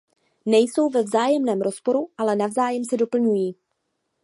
Nejsou ve vzájemném rozporu, ale navzájem se doplňují.